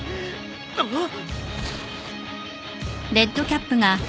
あっ！